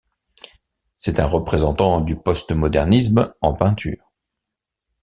C'est un représentant du postmodernisme en peinture.